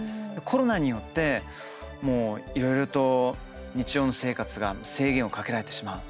コロナによって、もういろいろと日常の生活が制限をかけられてしまう。